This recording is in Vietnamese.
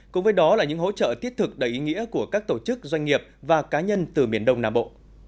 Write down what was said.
cùng với đó là những hỗ trợ thiết thực đầy ý nghĩa của các tổ chức doanh nghiệp và cá nhân từ miền đông nam bộ